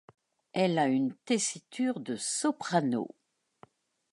Elle a une tessiture de soprano.